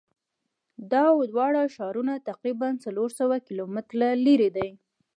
دا دواړه ښارونه تقریبآ څلور سوه کیلومتره لری دي.